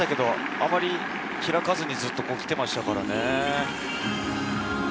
あまり開かずにずっと来ていましたからね。